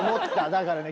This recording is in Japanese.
だからね